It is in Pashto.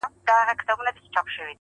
خو ميکده کي په سجدې، راته راوبهيدې_